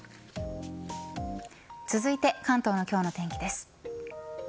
続いて関東の今日の天気です。